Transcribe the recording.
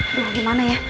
aduh gimana ya